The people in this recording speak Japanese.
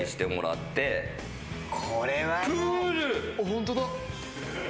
ホントだ。